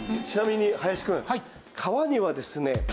ちなみに林くん皮にはですね